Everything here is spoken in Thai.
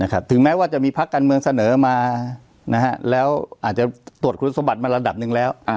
แล้วอาจจะตรวจคุณสมบัติมาระดับหนึ่งแล้ว